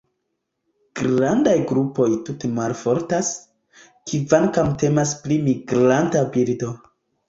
Grandaj grupoj tute maloftas, kvankam temas pri migranta birdo.